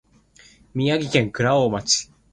宮城県蔵王町